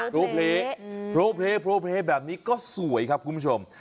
โลเพลย์โพลเพลโพเพลย์แบบนี้ก็สวยครับคุณผู้ชม